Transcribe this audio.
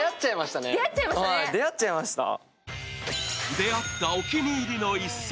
出会ったお気に入りの一足。